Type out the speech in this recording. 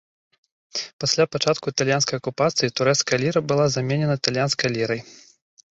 Пасля пачатку італьянскай акупацыі, турэцкая ліра была заменена італьянскай лірай.